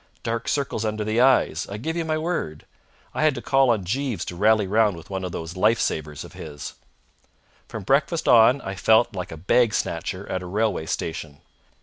Dark circles under the eyes I give you my word! I had to call on Jeeves to rally round with one of those life savers of his. From breakfast on I felt like a bag snatcher at a railway station.